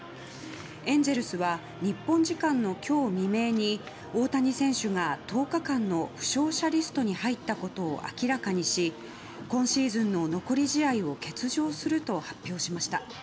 エンゼルスは日本時間の今日未明に大谷選手が１０日間の負傷者リストに入ったことを明らかにし今シーズンの残り試合を欠場すると発表しました。